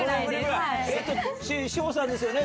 志保さんですよね